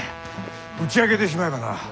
打ち明けてしまえばな